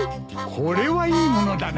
これはいい物だな！